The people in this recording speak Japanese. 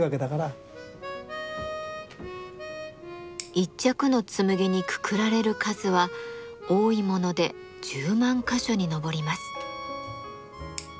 一着の紬にくくられる数は多いもので１０万か所に上ります。